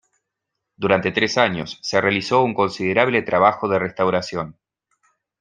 Durante tres años, se realizó un considerable trabajo de restauración.